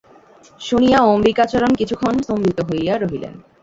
শুনিয়া অম্বিকাচরণ কিছুক্ষণ স্তম্ভিত হইয়া রহিলেন।